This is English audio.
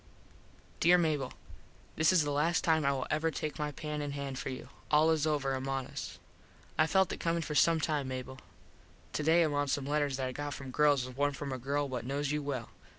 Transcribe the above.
_ Dere Mable: This is the last time I will ever take my pen in hand for you. All is over among us. I felt it comin for some time Mable. Today among some letters that I got from girls was one from a girl what knos you well.